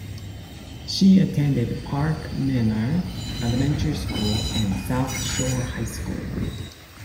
She attended Park Manor Elementary School and South Shore High School.